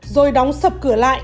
rồi đóng sập cửa lại